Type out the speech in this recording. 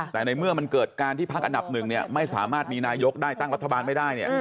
แต่ในเมื่อมันเกิดการที่พักอันดับหนึ่งเนี่ยไม่สามารถมีนายกได้ตั้งรัฐบาลไม่ได้เนี่ย